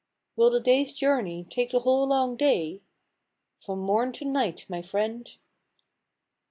" Will the day's journey take the whole long day " From morn to night, my friend!